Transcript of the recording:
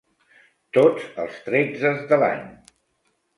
Tots els tretzes de l'any.